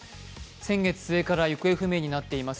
先月末から行方不明になっています